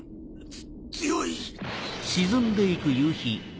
つ強い。